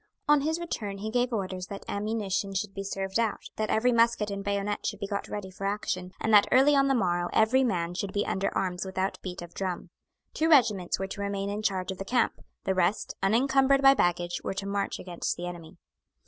On his return he gave orders that ammunition should be served out, that every musket and bayonet should be got ready for action, and that early on the morrow every man should be under arms without beat of drum. Two regiments were to remain in charge of the camp; the rest, unincumbered by baggage, were to march against the enemy.